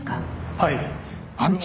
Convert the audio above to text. はい。